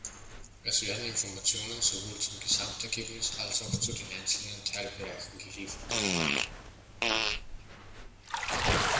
Es werden Informationen sowohl zum Gesamtergebnis als auch zu den einzelnen Teilbereichen geliefert.